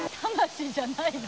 魂じゃないの？